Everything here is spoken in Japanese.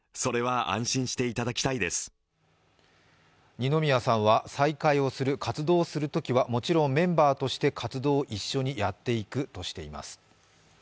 二宮さんは再開をする、活動をするときはもちろんメンバーとして活動を一緒にやっていくとしています。